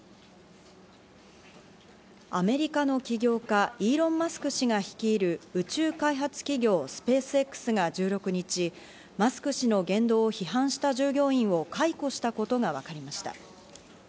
アメリカの起業家、イーロン・マスク氏が率いる宇宙開発企業スペースＸが１６日、マスク氏の言動を批判した従業員を解雇したことがわかりました。